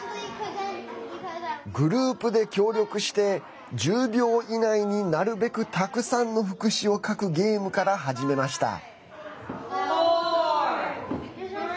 グループで協力して１０秒以内になるべくたくさんの副詞を書くゲームから始めました。